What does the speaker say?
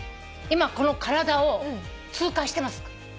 今この体を通過してます。